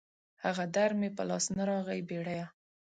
هغه در مې په لاس نه راغی بېړيه